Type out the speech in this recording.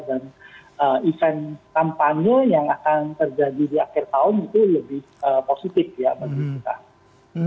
jadi event kampanye yang akan terjadi di akhir tahun itu lebih positif ya bagi kita